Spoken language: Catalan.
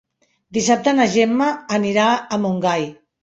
Dissabte na Gemma anirà a Montgai.